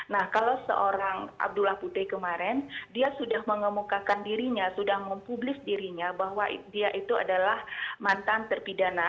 nah kalau seorang abdullah putih kemarin dia sudah mengemukakan dirinya sudah mempublis dirinya bahwa dia itu adalah mantan terpidana